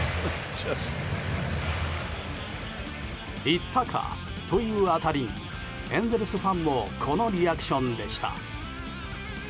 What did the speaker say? いったか！という当たりにエンゼルスファンもこのリアクションでした。